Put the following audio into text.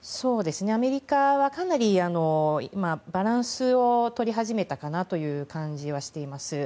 アメリカはかなりバランスを取り始めたかなという感じはしております。